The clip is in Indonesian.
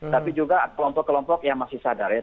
tapi juga kelompok kelompok yang masih sadar ya